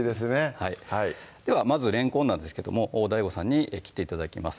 はいではまずれんこんなんですけどもＤＡＩＧＯさんに切って頂きます